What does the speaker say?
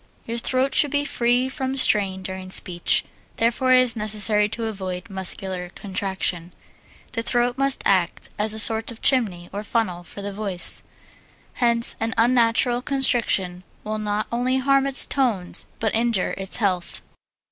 Your throat should be free from strain during speech, therefore it is necessary to avoid muscular contraction. The throat must act as a sort of chimney or funnel for the voice, hence any unnatural constriction will not only harm its tones but injure its health.